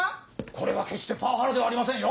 これは決してパワハラではありませんよ。